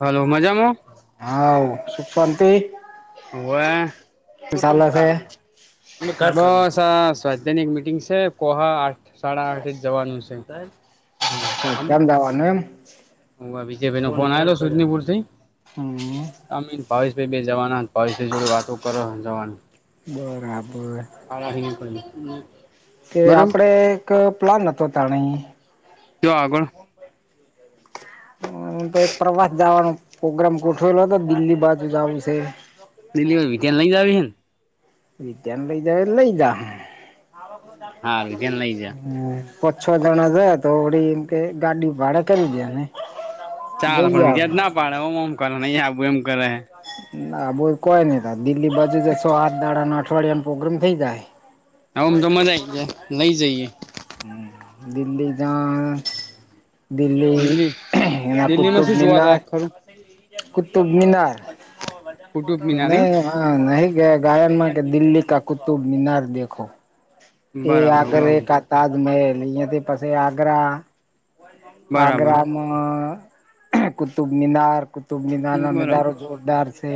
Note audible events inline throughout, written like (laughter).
Hello મજામાં. હાવ સુખ શાંતિ (unintelligible) હવે શું કુટુંબ ચાલે છે રા (unintelligible) સ્વાધ્યા ની એક મિટિંગ છે. કોહા આઠ સાડા આઠ જ જવાનું છે. કેમ દવાનું એમ હ વિજયભાઈ નો ફોન આવેલો સુનીપુર થી હમ ભાવેશભાઈ બેય જવાના ભાવ જો વાતો કરો જવાની (unintelligible) બરાબર (unintelligible) હા હ (unintelligible) કે આપડે એક પ્લાન હતો ત્રણેય ક્યાં આગળ હું તો એક પ્રવાસ જવાનો પ્રગ્રામ ગોઠવેલો હતો દિલ્હી બાજુ જું છે. દિલ્લી ભી ત્યાને લઈ જ આવી છે. ને રીતેમ લ લઈજા હારુ વિધાન લઈ જા હ પછ જણા દ તો (unintelligible) કે ગાડી ભાડા કરી દે ને ચાલો જઈ પણ આવે ક્યાજ ના પાડે હમમ કર અહી આ એમ કરે આબુ કોઈ નહીં દિલ્લી બાજુ જસો આઠ દાડા અઠવાડિયામાં પ્રોગ્રામ થઇ જાય. હમ, તો મજા આઈ જાય લઈ, જઈએ દિલ્હી, જાય દિલ્લી, દિલ્હી એના દિલ્હીમાં કુતુબ શું મિનાર જોવાલાયક ખરું કુતુબ, મિનાર કુટુબ મિનાર એમ નહી, નહી કે ગાયનમા, કે દિલ્લી કા કુતુબ મીનાર દેખો એ બરાબર આગ્રા, નો તાજમહેલ અહિયા થી પછી આગ્રા બરાબર આગ્રામા, કુતુબમીનાર તુંનાના નજારો બરાબર છે. જોરદાર છે.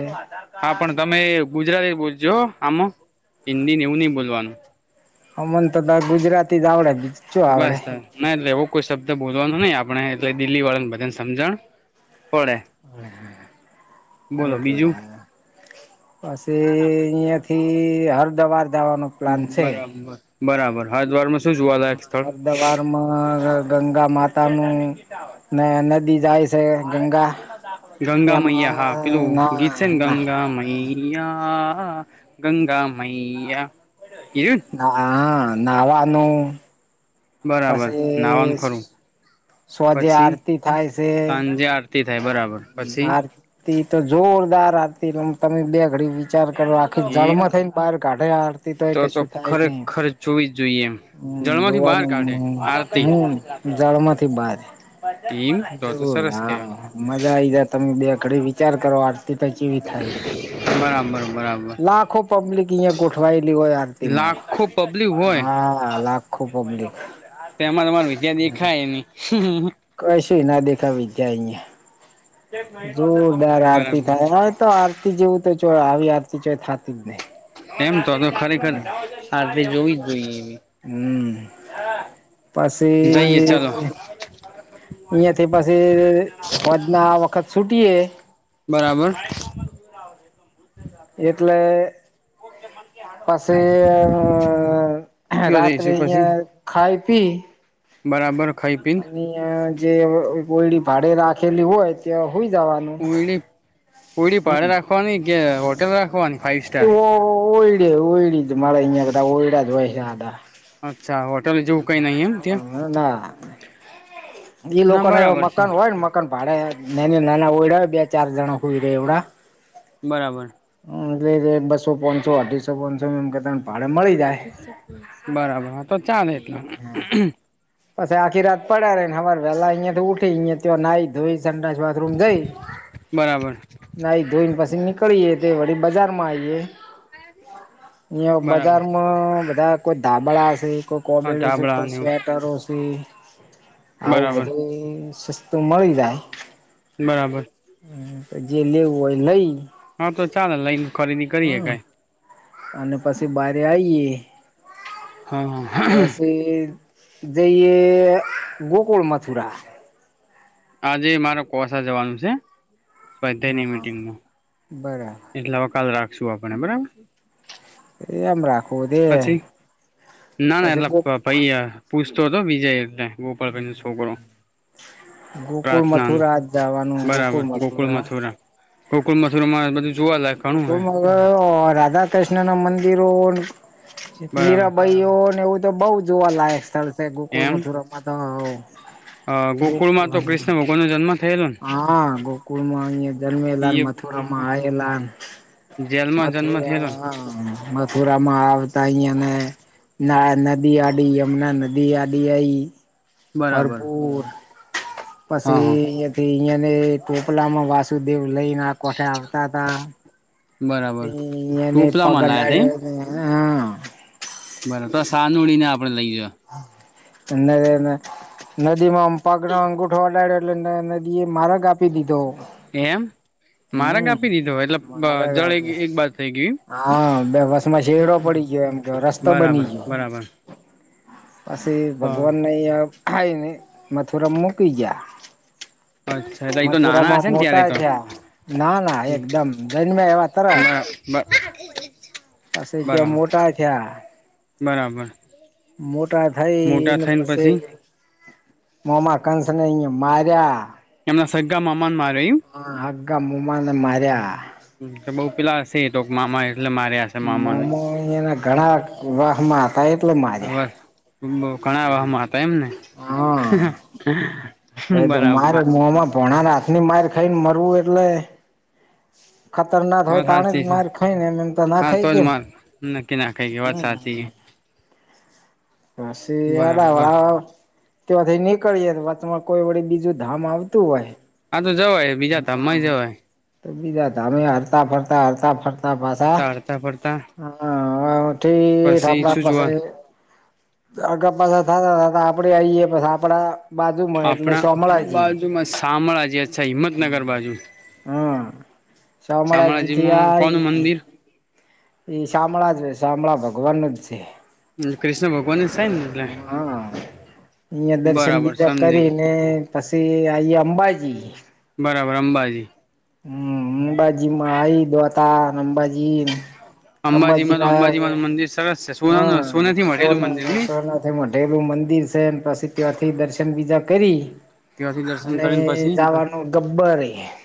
હા પણ તમે ગુજરાતી બોલજો આમ હિન્દી, ને એવું નહ બોલવાનુ હમ, તો તો ગુજરાતી જ આવડાે જ નાટ કોઈ શબ્દ બોલવાનો નહી, આપણે એટલે દિલ્હી વાળાને બધાને સમજણ પડે હટ, બોલો પછી બીજું અહિયા થી, હરદ્વાર જવાનો પ્લાન છે. બરાબર બરાબર હા, દ્વારમા હ, અર્ધ વરમા ગંગા માતા નુ નદી જાય છે, ગગા ગંગા મૈયા હા, પેલું ગીત છેન, ના ગંગા મૈયા હા, ગંગા મૈયા હીરુ નાવાનુ બરાબર નાવાનું ખરું પછી સોજે પછી આરતી થાય સાંજે આરતી થાય બરાબર પછી છે. તો જોરદાર આતી, તમે બે ઘડી વિચાર કરો આખી એમ જળમાં થઈ ને બહાર ગાઢે હડતી, તો એ કશું થાય નહી ખરેખર જોવી જ જોઈએ એમ હમ, જળમાંથી બહાર રોવાનું કાઢે હ આરતી હ- જળ માંથી બાર એમ તો તો સરસ કેવાય હા, મજા આઈ જ તમે બે વિચાર, કરો આરતી પ જેવી થાય બરાબર બરાબર લાખો પબ્લિક અ ગોઠવાયેલી હોય, આરતીમા લાખો પબ્લિક હા લખું પબ્લિક તોમાં તમાર વિજ્યા દેખાય ન કઈ સુુ, ના દેખાવી જાય અ જોરદાર આરતી બરાબર થાય હોય, તો આરતી જેવુ તો આવી આરતી ચય થતી જ નહી. એમ તો તો ખરેખર આ જોવી, જ જોઈએ એવી હમ, જઈએ પછી ચાલો અહિયાયાથી પછી, હોજ ના વખત છૂટીએ બરાબર એટલે પછી, કયો રાત્રે જઈશું પછી અહયા ખાઈ પી બરાબર ખાઈ પીને અને જે કોયડી ભાડે રાખેલી હોય, ત્યા હોઈ જવાનુ કોુડી, પાડે રાખવાની કે હોટેલ રાખવાની ફાઈવ એ સ્ટાર ઓયડી ઓયડી જ મળે અંયા, કરા ઓયડા જ હોયસા હતા. અચ્છા હોટલ જેવું કઈ નહી એમ ત્યાં અ ઈ લોકો, ના એ બરાબર છે મકાન હોય ને મકાન ભાડેની ના ના ઓડા બે ચાર જણા હોય, ર એવડા બરાબર એલે રે બસો, પોંચસો અઢીસો પોંચસો એમ કેતા બરાબર હ, તો ચાલે એટલા પછી આખી, રાત પડ રે ને હર વેલા અહિયાયા તો ઉઠી, નાહ ધોઈ સડાસ બાથરૂમ જઈ બરાબર નાઈ ધોઈ પછી નીકળીય તે વળી બજારમાં આવીએ બરાબર બજારમાં કોઈ ધાબળા છે કોઈ હા કોબેડ છે ધાબળા કોઈ ને એવું શેટ આવું બરાબર બધું સસ્તું મળી જાય. બરાબર જે લેવું હોય લઈ હા તો ચાલ લઈને ખરીદી કરીએે હમ. કઈ અને પછી બારે આવીએ હા પછી જઈએ ગકુળ મથુરા આજે મારે કોસા જવાનું છે સ્વાધયની હા. મીટિંગમાં બરાબર એટલે હવે કાલ રાખશું આપણે બરાબર. એમ રાખ. પછી ના ના પછી ગોક એટલા (unintelligible) પૂછતો હતો વિજય એટલે ગોપાલભાઈ નો છોકરો ગોકુળ પ્રાર્થનાનું મથુરા જ જવાનું ગોકુળ મથુરા ગોકુલ મથુરામાં બધું જોવાલાયક ઘણું હે (unintelligible) રાધા કૃષ્ણના મંદિરો બરાબર મીરાબાઈઓને એવું તો બહું જોવાલાયક સ્થળ છે ગોકુલ મથુરામાં તો અ ગોકુળ ગોકુલ માં તો અને કૃષ્ણ ભગવાન નો જન્મ થયેલો ને હા ગોકુળ માં અહીં જન્મેલા એ મથુરા માં આવેલા જેલમાં જન્મ થયેલો ને મથુરા મથુરામાં આવતા અહીયાને ના નદી આડી હમના નદી આડી આઈ બરાબર ભરપૂર બરાબર હા પછી હા અહીંયાથી અહીં અને ટોપલા માં વાસુદેવ લઈને આ કોઠે આવતા હતા બરાબર ટોપલામાં લાયા તા એમ (unintelligible) બરાબર તો સાનુળી ને આપડે લઈ નદીમાં પગનો અંગુઠો અડાયો નદી એ માર્ગ આપી દીધો એમ માર્ગ હમ કાપી દીધો એટલે જળ મારા એક બાજ થઈ ગયું હા બે બસ માં શેડો પડી ગયો એમ કે એમ રસ્તો બરાબર બની ગયો (inaudible) પછી તો ભગવાનને (unintelligible) આહીંયા મથુરા મૂકી ગયા અચ્છા એ તો નાના હશે મથુરામાં ને ત્યારે મોટા તો થયા. ના ના એકદમ જન્મ્યા એવા તરત (inaudible) પછી જો બરાબર મોટા થયા બરાબર. મોટા થઈ મોટા અને થઈને પછી મોમા કંસને અહીયા મારંયા. એમના સગા મામાને મા હા હગા મોમાને માર્યા. (unintelligible) મામા એ મામા એના ઘણા વાહ માં હતા એટલે હવે માર્યા. ઘણા વાહમાં હતા એમને હા તો બરાબર (unintelligible) ભોણાની હાથની માર ખાઈને મરવું એટલે. ખતરનાક વાત હોય ત્યારે સાચી છે માર ખાઈ ને એમ એમ તો ના ખાઈ ગયને. નકી ના ખાય એ વાત સાચી બરાબર પછી (unintelligible) નીકળી એ કોઈ વડી બીજું ધામ આવતું હોય. આ તો જવાય બીજા ધામા હમ જવાય. તો બીજા ધામે હરતા ફરતા હરતા ફરતા પાછા હડતા હડતા ફરતા હ ઠીઠ પછી આપણા શું પાસે જોવા આગ પાછા થતા થતા આપડે આઈએ પછી આપડા બાજુમાં, એટલે આપણા સમોમળાજી બાજુમાં શામળાજી, અચ્છા હિંમતનગર બાજુ શામળાજીથી શામળાજીમાં કોનું આઈ મંદિર એ શામળાજ, શામળા ભગવાનનું છે. કૃષ્ણ ભગવાનને સેન ને અહયા દર્શન બરાબર બીજા સમજાઈ ગઈ કરીને, પછી આઈયા અંબાજી બરાબર અંબાજી. હમ્મ. અંબાજીમાં આઈ દોતા, અંબાજી ન. અંબાજીમાં તો અંબાજીના અંબાજીમાં મંદિર સરસ છે સોનાનું હા સોનાથી મઢેલું સોના મંદિર થ ની સોનાથ એમઢેલું મંદિર છે પછી ત્યાંથી દર્શન બીજા કરી ત્યાંથી દર્શન અને કરીને પછી લાવાનું ગબ્બર રી (unintelligible)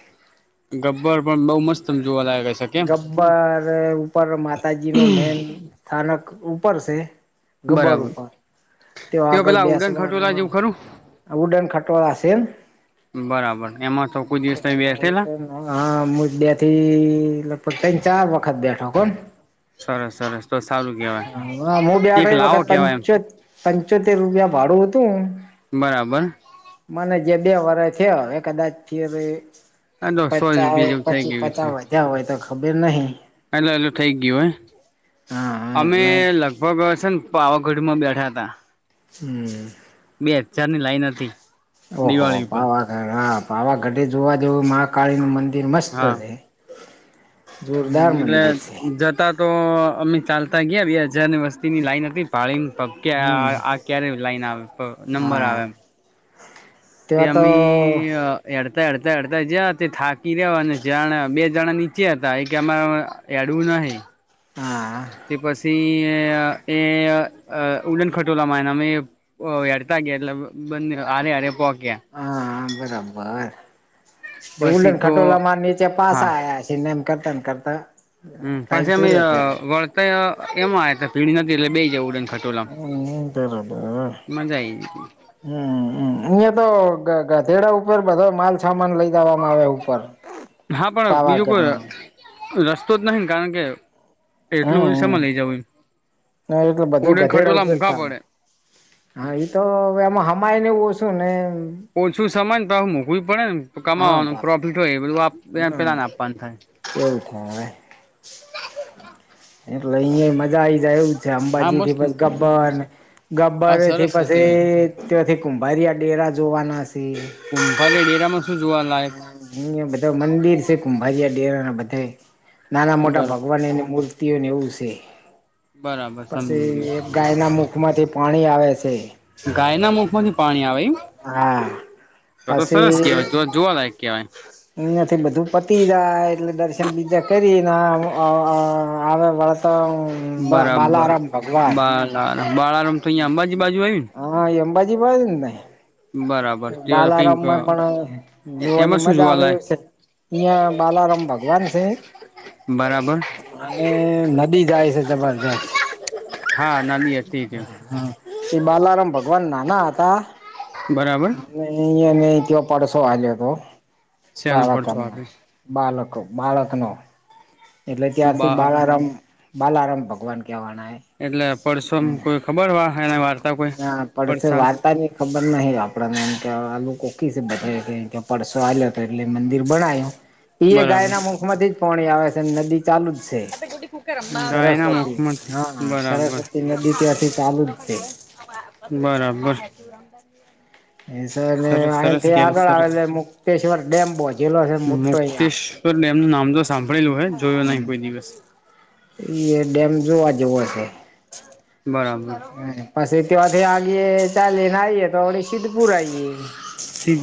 ગબ્બર પણ બહુ મસ્ત જોવાલાયક હશે કેમ ગબ્બર ઉપર માતાજી નું મેન સ્થાન ઉપર છે, ગબ્બર બરાબર ઉપર તેઓ તે આગળ પેલા ઉડન બેસવાનું ખટોલા જેવું ખરું ઉડન ખટોળા એમ બરાબર એમાં તો કોઈ દિવસ બેસે તમે (inaudible) હા હું બે થી લગભગ ત્રણ ચાર વખત બેઠો કો ને સરસ સરસ તો સારું કેવાય હ હ હું બેઠો એક ઈ લાવો વખત કેવાય એમ પંચત પંચોતેર રૂપિયા ભાડું હતું. બરાબર જ બે વર્ષ છેવે કદાચ આ તો સો પચા રૂપિયા જેવું થઈ પછી ગયું છે પચાસ વધ્યા હોય તો ખબર નહિ. એટલે એટલું થઈ ગયું હા હા અમે એટલે લગભગ છે ને પાવાગઢમાં બેઠા હતા હમ્મ. અત્યાર ની લાઈન હતી, ઓહો દિવાળી પર પાવાગઢ હા પાવાગઢે જોવા જેવું મહાકાળી નું મંદિર મસ્ત છે હમ્મ જોરદાર એટલે મંદિર છે જતા તો અમે ચાલતા ગયા બે હજાર ની વસ્તી ની લાઈન હતી પાળી હમ આ ક્યારે લાઈન આવે નંબર હા આવે એમ. (unintelligible) તો તેમી એ (inaudible) અડતા અડતા જયા તે થાકી રહ્યા અને જા બે જણા નીચે હતા એ કે અમા હેડવું. ન (inaudible) (unintelligible) હા (unintelligible) તે પછી એ ઉડન ખટોલા મા આયા ને અમે હેડતા ગયા એટલે બંને આરે આરે પોકે હ બરાબર ઉડને પછી તો ખટોલા મા નીચે પાસા આવયા છેને એમ કરતા ને કરતા. હમ્મ. ટાઈમ પછી અમે પૂરો થઈ જાય વળતા એમ આવ ભીડ નથી એટલે બેહિ જવ ઉડન ખટોલા હમ બરોબર માં મજા આઈ ગયતી હમ હમ હ એતો ગધેડા ઉપર બધો માલસામાન લઈ જવામાં આવે ઉપર હા, પણ બીજું પાવાગઢ કોઈ રસ્તો જ નહી કારણ કે, એટલું હમ સમા લઈ જવું એમ એટલે બધું ઉડન ગધેડા ખટોલા મૂકા ઉપરતા પડે હા તો હવે એમાં હમાય ને એવ (unintelligible) ઓછું સમાન તોય મોંઘું પડે હા કમાવાનું બા પ્રોફિટ હોય બધું હમ પેલા આપવાનું થાય. એવું થાય હવે (unintelligible) એટલે અહિયા એ મજા આવી જાય એવું છે હા અંબાજી થી મસ્ત પછી ગબ્બર હા ગબ્બરથી સરસ છે તે પછી ત્યાંથી કુંભારીયા ડેરા જોવાના હશે કુંભારી ડેરામાં શું જોવા લાયક અહ બધા મંદિર છે કુંભારીયા ડેરા ના બધે નાના મોટા બરા ભગવાન એની મૂર્તિઓને એવું છે બરાબર પછી સમજી એ ગયો ગાયના મુખ માંથી પાણી આવે છે. ગાય ના મુખ માંથી પાણી આવે એમ હા તો તો સરસ કહેવાય જોવા લાયક એનાથી બધું પતી જાય એટલે દર્શન બીજા કરી (unintelligible) અહ આવે વળત બા બાલારામ ભગવાન બાળારમ તો અહીંયા અંબાજી બાજુ આવ્યું હા, એ અંબાજી બાજુ જ ને ને બરાબર તે કઈક બાલારામમાં પણ એમાં જોવાની શું મજા આવે જોવાલાય એવ છે. અહિયાં બાલારામ ભગવાન છે બરાબર અને નદી જાય છે. જબરજસ્ત. હા નાની હતી તે હમ્મ એ બાલારામ ભગ વન નાના હતા બરાબર નઈ ત્યાં નઈ પડશો આયો હતો શેનો પડછો બાલાકામમાં આપે બાલક બાળકનો એટલે ત્યાારથી બા બાલારામ બાલારામ ભગવાન કહેવાના એ એટલે પરસોમ કોઈ ખબર વા હૈને વાત ના પડશે, વાર્તા ની ખબર નહીં આપડને કે આલુંકો કેહ છે, (unintelligible) આલિયો હતો એટલે મંદિર બનાયું, એ બરાબર ગાયના મુખ માંથી જ પોણી આવે છે. નદી ચાલુ જ છે, ગાયના સરસ્વતી. મુખમાંથી હા, બરાબર સરસ્વતી નદી ત્યાંથી ચાલુજ છે. સે. બરાબર. એ સર ને સરસ સરસ અહીંથી કેવા આગળ આવે સરસ તે મુકેશ્વર ડેમ બોજેલો છે મોટો અહિયાં મુક્તેશ્વર ડેમ નું નામ તો સાંભળેલું હે, જોયો નઈ હમ કોઈ દિવસ. એ ડેમ જોવા જેવો હશે. બરાબર પછી તથી આગે ચાલેને આઈએ તો વળી સિદ્ધપુર આઈએ.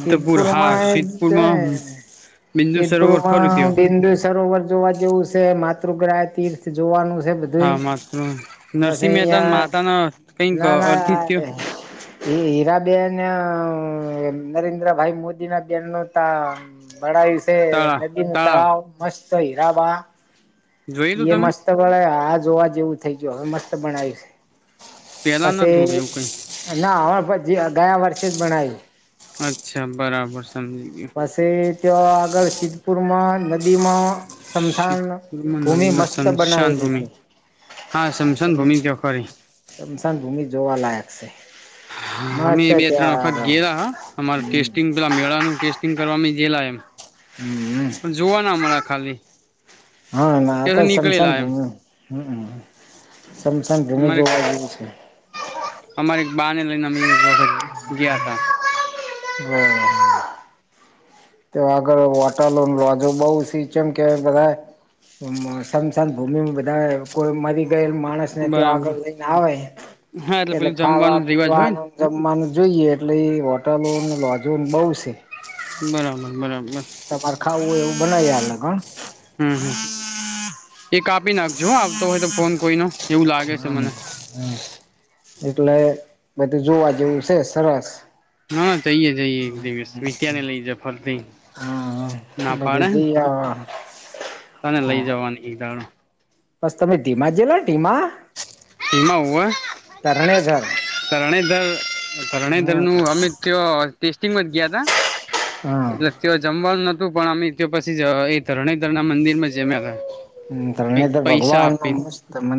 સિદ્ધપુર હા માં એક છે સિદ્ધપુરમાં બિંદુ સરોવર ખરું ત્યો સિદ્ધપુરમાં બિંદુ સરોવર જોવા જેવું છે, માતૃગ્રહ તીર્થ જોવાનું છે હા બધુંએ, માત્ર નરસિંહ પછી મહેતા અહં માતાના કઈક ના ના અર્થિત્ય એ હીરાબેન નરેન્દ્રભાઈ મોદી ના બેન નું તા બળાયું છે. નદીનું તળાવ મસ્ત હીરાબા જોયેલું એ તમે મસ્ત બણ, આ જોવા જેવું થઈ ગયું, હવે મસ્ત બણયુ છે. પેલા નતું એવું કઈ પછી ના હવે પછી ગયા વર્ષેજ બનાયું. અચ્છા, બરાબર, સમજી ગયો. ત્યોં આગળ સિદ્ધપુરમાં નદીમાં શમશાન ભૂમિ મનાલીમાં મસ્ત શમશાન બનાયલી ભૂમિ છે. હા શમશાન ભૂમિ તો ખરી શમશાન ભૂમિ જોવા લાયક છે. હા, મસ્ત અમે બે ત્રણ ત્યાં વખત આગળ ગેલા હા, અમારા ટેસ્ટિંગ પેલા મેળાનું ટેસ્ટિંગ કરવા. ગેલા એમ, હમ પણ જોવા ના મળે ખાલી. હા, ના તો ત્યાંથી સમસન નીકળેલા એમ ભૂમિ, હમ્મ. સમસન ભૂમિ અમારે જોવા જેવું છે. બાને લઈને અમે એક વખત ગીયાતા. હા, હા. તો આગળ વોટલો લોજો બઉ (unintelligible) કે બધાંય. (unintelligible) સમશાન ભૂમિ બધાએ, કોઈ મરી ગયેલ માણસને તે આગળ બરાબર લઈને આવે હા એટલે પેલું ખાવા, જમવાનું રિવાજ હોય ને પીવાનું, જમવાનું જોઈએ, એટલે એ હોટલોનો લોજો બઉ છે. બરાબર બરાબર તમારે ખાવું હોય એવું બનાઇ આલે કા હમ્મ, હમ્મ. એ કાપી નાખજો હા, આવતો હોય તો ફોન કોઈનો એવું લાગે છે, મને હ હમ એટલે બધું જોવા જેવું છે, સરસ. હ જઈએ જઈએ એક દિવસ મી ત્યાંને લઈ જ ફરથી હમ બધ જ (unintelligible) તને લઈ જવાની એક દાડો બસ તમે ધીમા જેલા ધીમા (unintelligible) હોય ધરણેધર હરણેધર ધરણેધર હમ નું અમેિત ટેસ્ટિંગમાં જ ગયા તા હા એટલે તેઓ જમવાનું ન પણ અમે તો પછી એ ધરણે ધરણા મંદિર માં જમ્યા હતા. હ ત્રને કઈક તો પૈસા ભગવાન આપીન મસ્ત મ